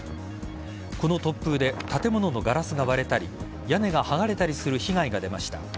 この突風で建物のガラスが割れたり屋根がはがれたりする被害が出ました。